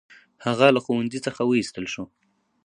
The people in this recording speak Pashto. هغه له ښوونځي څخه وایستل شو.